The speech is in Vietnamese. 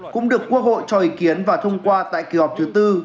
cũng được quốc hội cho ý kiến và thông qua tại kỳ họp thứ tư